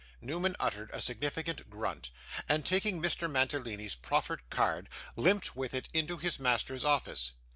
Newman uttered a significant grunt, and taking Mr. Mantalini's proffered card, limped with it into his master's office.